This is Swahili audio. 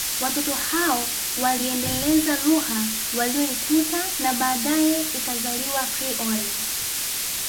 Watoto hao waliiendeleza lugha waliyoikuta na baadaye ikazaliwa Krioli